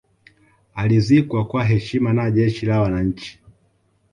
alizikwa kwa heshima na jeshi la wananchi